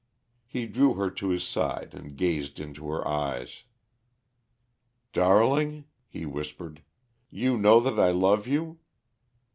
He drew her to his side and gazed into her eyes. "Darling," he whispered, "you know that I love you?"